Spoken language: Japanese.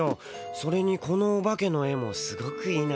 それにこのオバケの絵もすごくいいな。